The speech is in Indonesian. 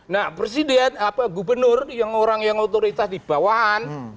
nah presiden gubernur yang orang yang otoritas di bawahan